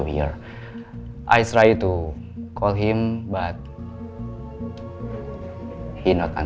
saya mencoba untuk menghubungi dia tapi